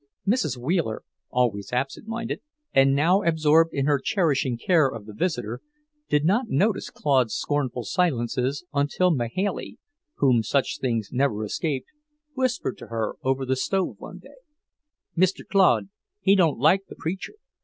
Mrs. Wheeler, always absent minded, and now absorbed in her cherishing care of the visitor, did not notice Claude's scornful silences until Mahailey, whom such things never escaped, whispered to her over the stove one day: "Mr. Claude, he don't like the preacher.